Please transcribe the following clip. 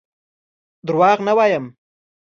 دروغ نه وایم.